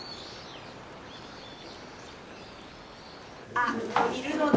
あっいるので。